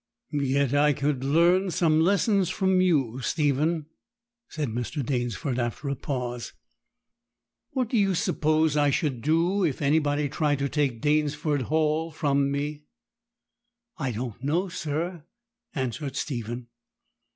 'Yet I could learn some lessons from you, Stephen,' said Mr. Danesford, after a pause. 'What do you suppose I should do if anybody tried to take Danesford Hall from me?' 'I don't know, sir,' answered Stephen.